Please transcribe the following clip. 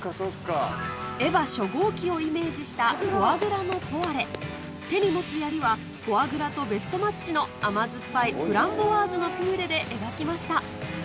エヴァ初号機をイメージした手に持つ槍はフォアグラとベストマッチの甘酸っぱいフランボワーズのピューレで描きました